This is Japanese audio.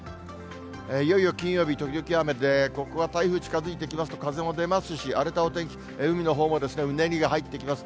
いよいよ金曜日、時々雨で、ここは台風近づいてきますと、風も出ますし、荒れたお天気、海のほうもうねりが入ってきます。